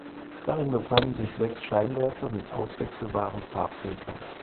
Darin befanden sich sechs Scheinwerfer mit auswechselbaren Farbfiltern.